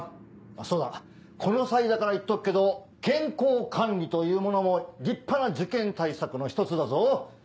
そうだこの際だから言っとくけど健康管理というものも立派な受験対策の一つだぞ。